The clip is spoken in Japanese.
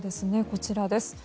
こちらです。